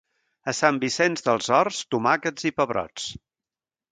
A Sant Vicenç dels Horts, tomàquets i pebrots.